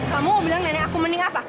kamu mau bilang nenek aku mendingan apa